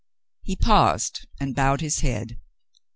He paused and bowed his head.